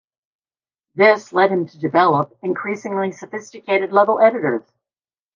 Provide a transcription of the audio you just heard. This led him to develop increasingly sophisticated level editors.